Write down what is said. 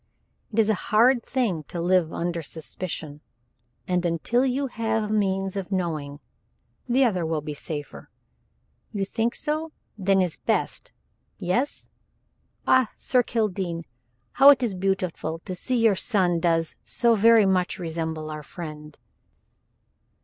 It is a hard thing to live under suspicion, and until you have means of knowing, the other will be safer." "You think so? Then is better. Yes? Ah, Sir Kildene, how it is beautiful to see your son does so very much resemble our friend."